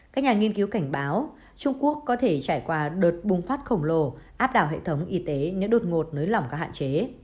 các nhà nghiên cứu cảnh báo trung quốc có thể trải qua đợt bùng phát khổng lồ áp đảo hệ thống y tế nếu đột ngột nới lỏng các hạn chế